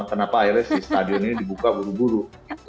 kenapa akhirnya si stadion ini dibuka buru buru